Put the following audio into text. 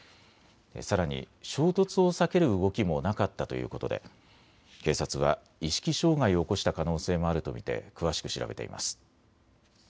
さらに衝突を避ける動きもなかったということで警察は意識障害を起こした可能性もあると見て詳しく調べています。